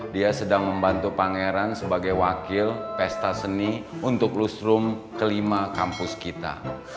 dia sedang membantu pangeran sebagai wakil pesta seni untuk lusrum kelima kampus kita